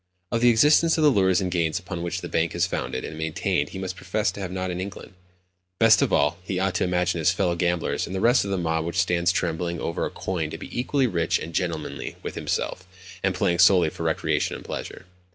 Of the existence of the lures and gains upon which the bank is founded and maintained he must profess to have not an inkling. Best of all, he ought to imagine his fellow gamblers and the rest of the mob which stands trembling over a coin to be equally rich and gentlemanly with himself, and playing solely for recreation and pleasure.